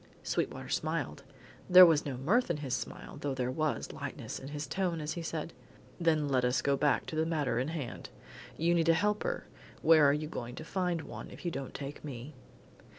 Sweetwater smiled. There was no mirth in his smile though there was lightness in his tone as said: "Then let us go back to the matter in hand. You need a helper; where are you going to find one if you don't take me?"